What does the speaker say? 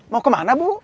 mau kemana bu